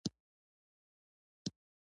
په خپل ټول تاريخ کې د ملي ارادې د تمثيل لپاره.